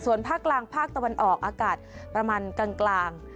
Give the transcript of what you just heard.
ส่วนภาคกลางภาคตะวันออกอากาศประมาณกลาง